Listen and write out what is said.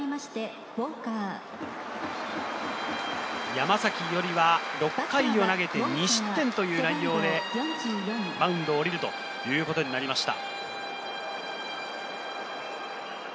山崎伊織は６回を投げて２失点という内容で、マウンドを降りるということになりました。